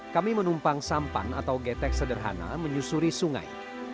kami menumpang sampan atau getek sederhana menyusuri sungai